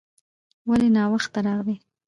ولې ناوخته راغلې ؟